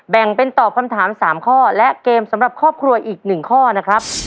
แบ่งเป็นตอบคำถาม๓ข้อและเกมสำหรับครอบครัวอีก๑ข้อนะครับ